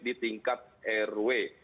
di tingkat rw